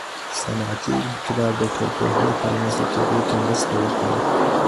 صنعتي انقلاب د ټولنپوهنې په رامنځته کیدو کي مرسته وکړه.